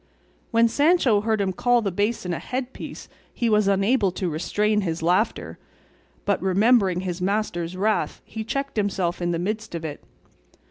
When Sancho heard him call the basin a headpiece he was unable to restrain his laughter, but remembering his master's wrath he checked himself in the midst of it.